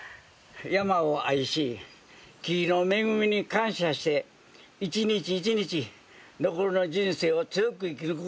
「山を愛し木の恵みに感謝して一日一日残りの人生を強く生き抜く」。